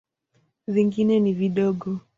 Vingine ni vidogo.